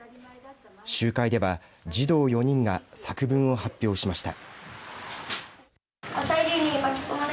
集会では児童４人が作文を発表しました。